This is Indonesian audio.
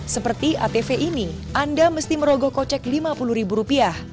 seperti atv ini anda mesti merogoh kocek rp lima puluh